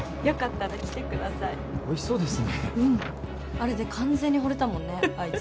あれで完全にほれたもんねあいつ。